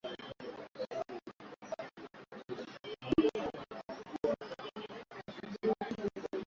Olduvai Gorge na sehemu nyingine kujua na kujifunza masuala ya kihistoria yaliyopo hapa Tanzania